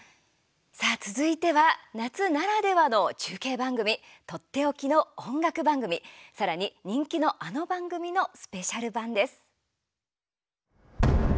さあ、続いては夏ならではの中継番組とっておきの音楽番組さらに人気のあの番組のスペシャル版です。